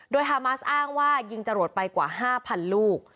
โดยฮามัสอ้างว่ายิงจรวดไปกว่า๕๐๐ลูก